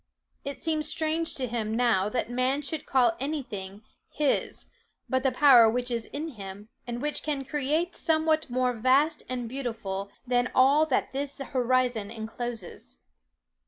It seems strange to him now that man should call any thing his but the power which is in him, and which can create somewhat more vast and beautiful than all that this horizon encloses.